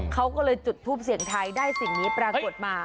เขาก็เลยจุดทูปเสียงไทยได้สิ่งนี้ปรากฏมา